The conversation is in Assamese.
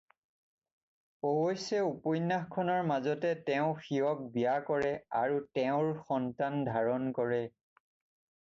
অৱশ্যে উপন্যাসখনৰ মাজতে তেওঁ শিৱক বিয়া কৰে আৰু তেওঁৰ সন্তান ধাৰণ কৰে।